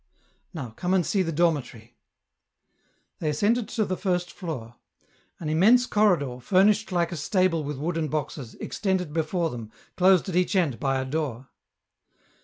Now come and see the dormitory." They ascended to the first floor. An immense corridor, furnished like a stable with wooden boxes, extended before them, closed at each end by a door.